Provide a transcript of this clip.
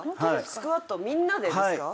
スクワットみんなでですか？